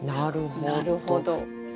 なるほど。